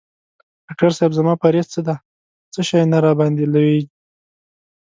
ډاکټر صېب زما پریز څه دی څه شی نه راباندي لویږي؟